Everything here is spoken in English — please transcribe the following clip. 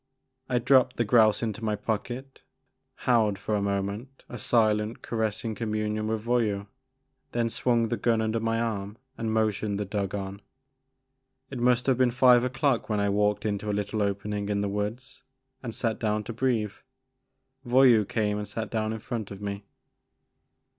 I dropped the grouse into my pocket, held for a moment a silent caressing communion with Voyou, then swung my gun under my arm and motioned the dog on. It must have been five o'clock when I walked into a little opening in the woods and sat down to breathe. Voyou came and sat down in front of me.